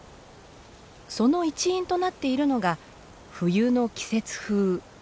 その一因となっているのが冬の季節風。